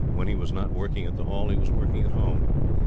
When he was not working at the Hall he was working at home.